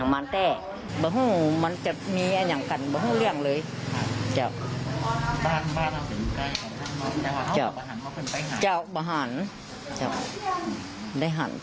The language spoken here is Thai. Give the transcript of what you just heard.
อาการละหวานแก้ต่างมันเป็นว่าใครจะว่าจะทำกันคะ